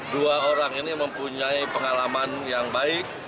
dua orang ini mempunyai pengalaman yang baik